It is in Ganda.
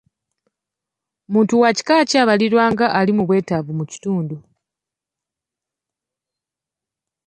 Muntu wa kika ki abalibwa nga ali mu bwetaavu mu kitundu.?